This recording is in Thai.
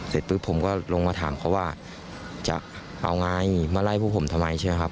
เสร็จปุ๊บผมก็ลงมาถามเขาว่าจะเอาไงมาไล่พวกผมทำไมใช่ไหมครับ